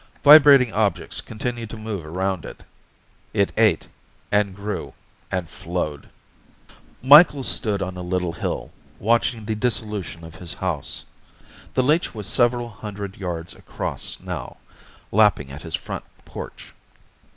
Vibrating objects continued to move around it. It ate and grew and flowed. Micheals stood on a little hill, watching the dissolution of his house. The leech was several hundred yards across now, lapping at his front porch.